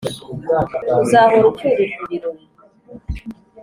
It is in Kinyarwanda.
uzahora ucyurirwa ibirori